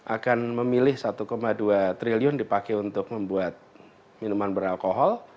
akan memilih satu dua triliun dipakai untuk membuat minuman beralkohol